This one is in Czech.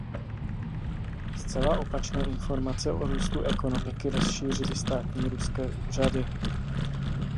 Zcela opačné informace o růstu ekonomiky rozšířily státní ruské úřady.